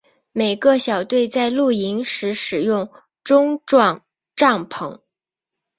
每个小队在露营时使用钟状帐篷。